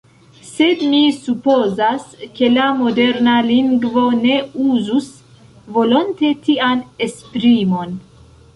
Sed mi supozas, ke la moderna lingvo ne uzus volonte tian esprimon.